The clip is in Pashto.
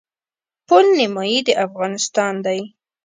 پل نیمايي د افغانستان دی.